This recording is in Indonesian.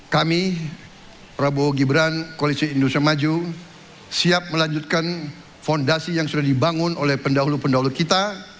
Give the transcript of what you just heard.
kami prabowo gibran koalisi indonesia maju siap melanjutkan fondasi yang sudah dibangun oleh pendahulu pendahulu kita